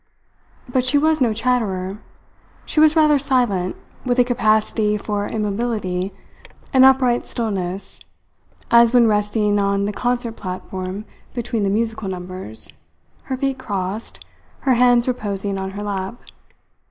But she was no chatterer. She was rather silent, with a capacity for immobility, an upright stillness, as when resting on the concert platform between the musical numbers, her feet crossed, her hands reposing on her lap.